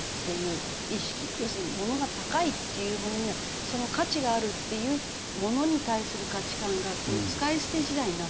要するにものが高いっていうものにはその価値があるっていうものに対する価値観が使い捨て時代になって。